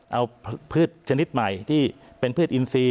เอาพืชชนิดใหม่ที่เป็นพืชอินซี